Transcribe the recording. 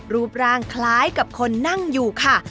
รูปร่างคล้ายกับคนนั่งอยู่ค่ะ